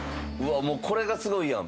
もうこれがすごいやん。